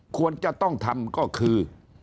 ควรจะต้องทำก็คือ